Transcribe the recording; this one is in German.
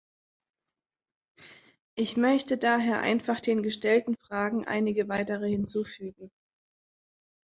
Ich möchte daher einfach den gestellten Fragen einige weitere hinzufügen.